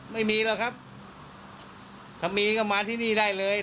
ไม่มีหรอกครับถ้ามีก็มาที่นี่ได้เลย